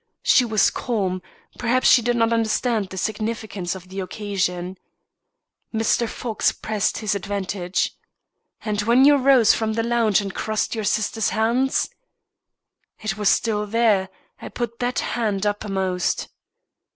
She was calm; perhaps she did not understand the significance of the occasion. Mr. Fox pressed his advantage. "And when you rose from the lounge and crossed your sister's hands?" "It was still there; I put that hand uppermost."